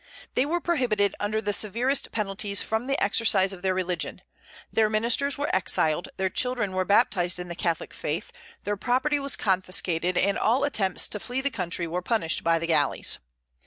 They were prohibited under the severest penalties from the exercise of their religion; their ministers were exiled, their children were baptized in the Catholic faith, their property was confiscated, and all attempts to flee the country were punished by the galleys.